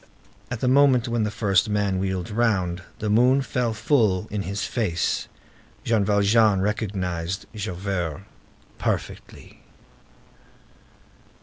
At the moment when the first man wheeled round, the moon fell full in his face. Jean Valjean recognized Javert perfectly.